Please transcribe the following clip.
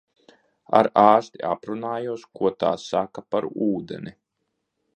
Ar ārsti aprunājos, ko tā saka par ūdeni.